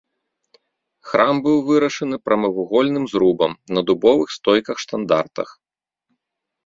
Храм быў вырашаны прамавугольным зрубам на дубовых стойках-штандартах.